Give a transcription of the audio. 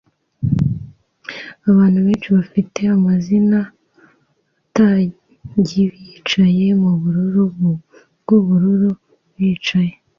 Abantu benshi bafite amazina-tagi bicaye mubururu bwubururu-bicaye